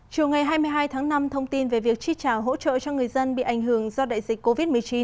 chiều ngày hai mươi hai tháng năm thông tin về việc chi trả hỗ trợ cho người dân bị ảnh hưởng do đại dịch covid một mươi chín